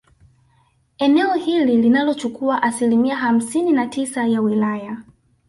Eneo hili linalochukua asilimia hamsini na tisa ya wilaya